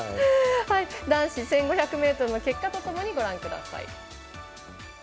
男子１５００ｍの結果とともにご覧ください。